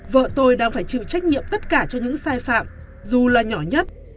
vợ tôi đang phải chịu trách nhiệm tất cả cho những sai phạm dù là nhỏ nhất